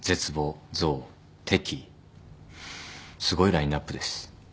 すごいラインアップです。